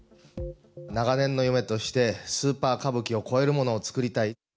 長年の夢としてスーパー歌舞伎を超えるものを作りたい。